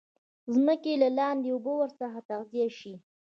ځمکې لاندي اوبه ورڅخه تغذیه شي.